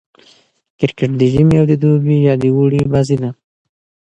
کرکټ د ژمي او دوبي يا اوړي بازي ده.